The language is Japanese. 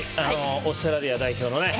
オーストラリア代表のね